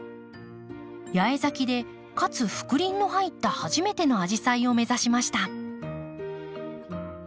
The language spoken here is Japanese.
八重咲きでかつ覆輪の入った初めてのアジサイを目指しました。